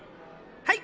はい！